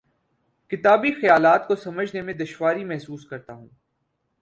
کتابی خیالات کو سمجھنے میں دشواری محسوس کرتا ہوں